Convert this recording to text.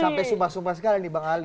sampai sumpah sumpah sekarang nih bang ali